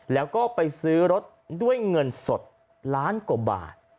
แล้วก็ไปซื้อรถด้วยเงินสดล้านกว่าบาท